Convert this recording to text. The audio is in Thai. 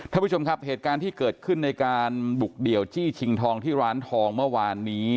ท่านผู้ชมครับเหตุการณ์ที่เกิดขึ้นในการบุกเดี่ยวจี้ชิงทองที่ร้านทองเมื่อวานนี้